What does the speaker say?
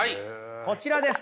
こちらです。